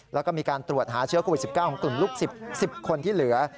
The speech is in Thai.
แล้วก็มีการตรวจหาเชื้อโควิด๑๙ของกลุ่มลูกศิษย์๑๐คนที่เหลือ